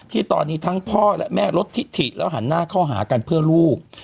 ที่ตอนนี้ทั้งพ่อและแม่ลดทิถิแล้วหันหน้าเข้าหากันเพื่อลูก